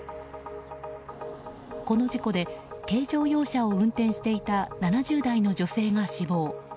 この事故で軽乗用車を運転していた７０代の女性が死亡。